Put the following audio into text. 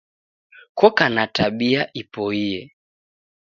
Koka na tabia ipoie.